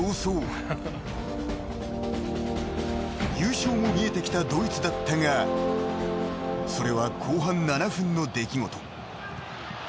［優勝も見えてきたドイツだったがそれは後半７分の出来事］